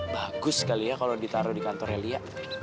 bagus kali ya kalau ditaruh di kantornya lia